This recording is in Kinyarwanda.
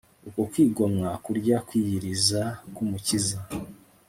Uko kwigomwa kurya kwiyiriza kUmukiza